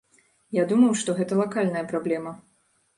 Я думаў, што гэта лакальная праблема.